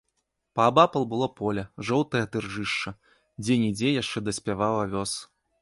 Паабапал было поле, жоўтае ад іржышча, дзе-нідзе яшчэ даспяваў авёс.